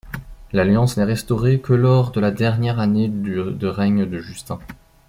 L'alliance n'est restaurée que lors de la dernière année de règne de Justin.